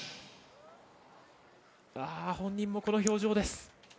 本人もこの表情です。